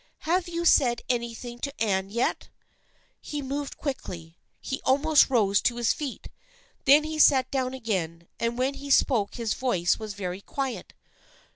Have you said anything to Anne yet ?" He moved quickly. He almost rose to his feet. Then he sat down again, and when he spoke his voice was very quiet.